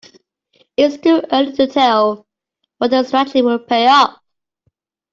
It's too early to tell whether the strategy will pay off.